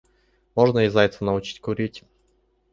Можно и зайца научить курить.